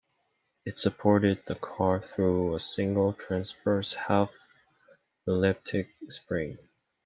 It supported the car through a single transverse half-elliptic spring.